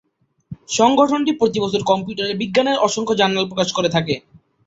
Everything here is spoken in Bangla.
সংগঠনটি প্রতিবছর কম্পিউটার বিজ্ঞানের অসংখ্য জার্নাল প্রকাশ করে থাকে।